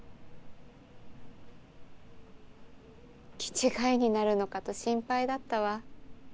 気ちがいになるのかと心配だったわ。